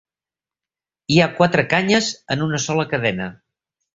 Hi ha quatre canyes en una sola cadena.